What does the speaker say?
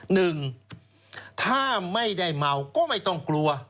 หนึ่งถ้าไม่ได้เมาก็ไม่ต้องกลัว